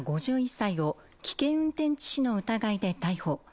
５１歳を危険運転致死の疑いで逮捕。